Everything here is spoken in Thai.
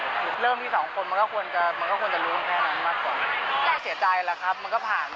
มันก็มีแสดงว่าแบบว่าครอบครัวมันก็เรื่องพวกด้วยอะไรอย่างนี้